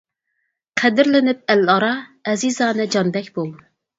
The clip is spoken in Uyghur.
قەدىرلىنىپ ئەل ئارا، ئەزىزانە جاندەك بول.